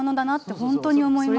本当に思います。